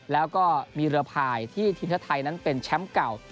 แล้วก็มีเรือพายที่ทีมชาติไทยนั้นเป็นแชมป์เก่า